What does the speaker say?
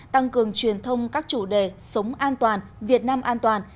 tăng cường truyền thông các chủ đề sống an toàn việt nam an toàn